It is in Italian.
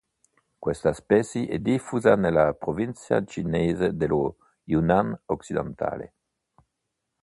Questa specie è diffusa nella provincia cinese dello Yunnan occidentale.